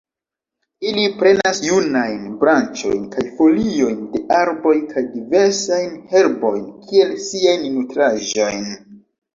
Ili prenas junajn branĉojn kaj foliojn de arboj kaj diversajn herbojn kiel siajn nutraĵojn.